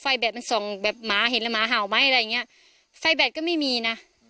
แดดมันส่องแบบหมาเห็นแล้วหมาเห่าไหมอะไรอย่างเงี้ยไฟแดดก็ไม่มีนะ